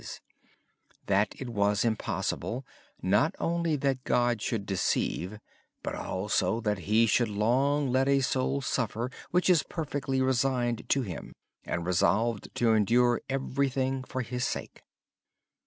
Also, that it was impossible not only that God should deceive but that He should long let a soul suffer which is perfectly resigned to Him and resolved to endure everything for His sake.